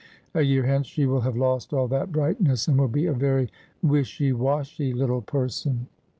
A year hence she will have lost all that brightness, and will be a very wishy wa/^hy little person.'